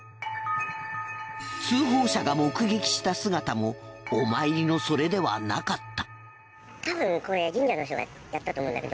通報者が目撃した姿もお参りのそれではなかった。